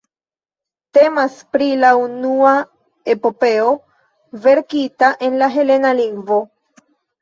Temas pri la unua epopeo verkita en la helena lingvo.